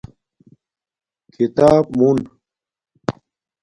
کھیتاپ مُون